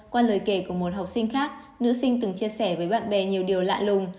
qua lời kể của một học sinh khác nữ sinh từng chia sẻ với bạn bè nhiều điều lạ lùng